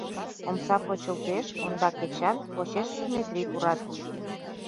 Омса почылтеш, ондак Эчан, почешыже Метрий пурат.